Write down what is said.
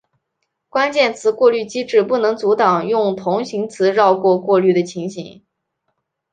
关键词过滤机制不能阻挡用同形词绕过过滤的情形。